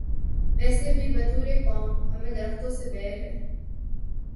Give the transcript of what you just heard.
ویسے بھی بطور قوم ہمیں درختوں سے بیر ہے۔